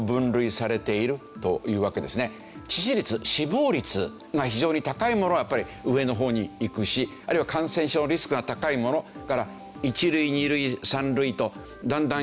致死率死亡率が非常に高いものはやっぱり上の方にいくしあるいは感染症リスクが高いものから１類２類３類とだんだん弱くなってくる。